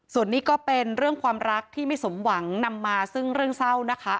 ส่วนนี้ก็เป็นเรื่องความรักที่ไม่สมหวังนำมาซึ่งเรื่องเศร้านะคะ